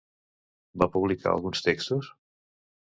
Va publicar alguns textos?